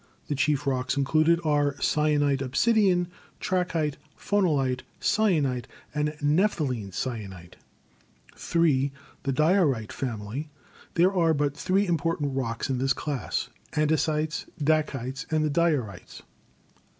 The chief rocks included are syenite obsidian, trachyte, phonolite, syenite and nepheline syenite. (3) The Diorite Family. There are but three important rocks in this class, ande sites, dacites, and the diorites.